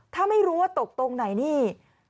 ถ้าไม่รู้ว่าตกตรงไหนนี่